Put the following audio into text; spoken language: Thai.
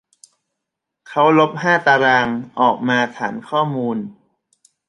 เขาลบห้าตารางออกมาฐานข้อมูล